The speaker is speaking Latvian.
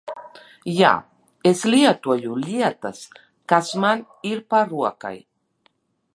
Jā, es lietoju lietas kas man ir pa rokai.